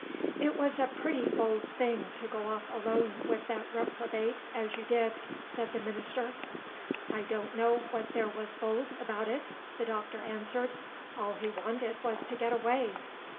"It was a pretty bold thing to go off alone with that reprobate, as you did," said the minister. "I don't know what there was bold about it," the Doctor answered. "All he wanted was to get away.